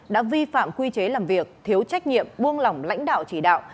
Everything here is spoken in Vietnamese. đã vi phạm quy chế làm việc thiếu trách nhiệm buông lỏng lãnh đạo chỉ đạo